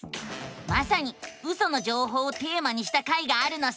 まさにウソの情報をテーマにした回があるのさ！